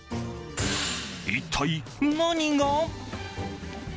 一体何が？